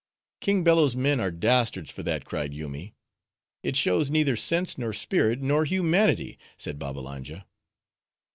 "King Bello's men are dastards for that," cried Yoomy. "It shows neither sense, nor spirit, nor humanity," said Babbalanja.